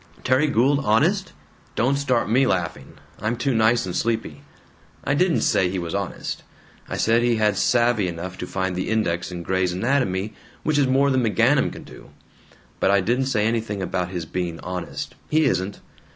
Terry Gould honest? Don't start me laughing I'm too nice and sleepy! I didn't say he was honest. I said he had savvy enough to find the index in 'Gray's Anatomy,' which is more than McGanum can do! But I didn't say anything about his being honest. He isn't.